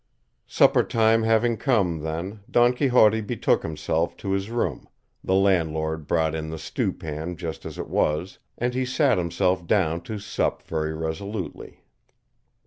Supper time having come, then, Don Quixote betook himself to his room, the landlord brought in the stew pan just as it was, and he sat himself down to sup very resolutely.